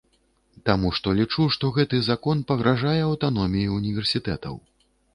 Таму што лічу, што, гэты закон пагражае аўтаноміі універсітэтаў.